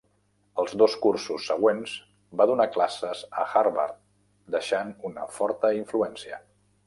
Els dos cursos següents va donar classes a Harvard, deixant una forta influència.